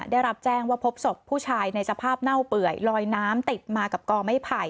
ได้รับแจ้งว่าพบศพผู้ชายในสภาพเน่าเปื่อยลอยน้ำติดมากับกอไม้ไผ่